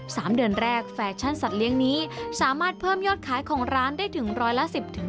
สามเดือนแรกแฟชั่นสัตว์เลี้ยงนี้สามารถเพิ่มยอดขายของร้านได้ถึงร้อยละสิบถึง